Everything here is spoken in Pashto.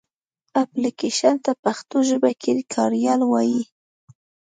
اپلکېشن ته پښتو ژبه کې کاریال وایې.